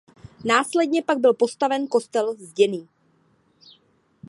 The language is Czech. Následně pak byl postaven kostel zděný.